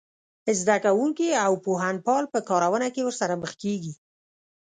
زده کوونکي او پوهنپال په کارونه کې ورسره مخ کېږي